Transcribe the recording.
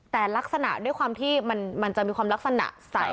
แต่ลักษณะด้วยความที่มันจะมีความลักษณะใส